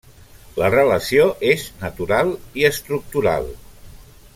La relació és natural i estructural.